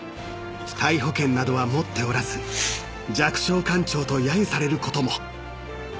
［逮捕権などは持っておらず弱小官庁とやゆされることも］